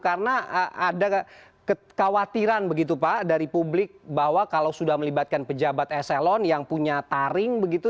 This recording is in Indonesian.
karena ada kekhawatiran begitu pak dari publik bahwa kalau sudah melibatkan pejabat eselon yang punya taring begitu